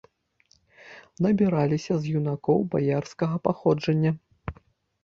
Набіраліся з юнакоў баярскага паходжання.